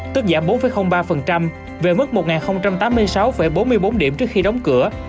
tức giảm bốn ba về mức một tám mươi sáu bốn mươi bốn điểm trước khi đóng cửa